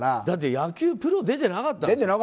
だって野球はプロが出ていなかったもん。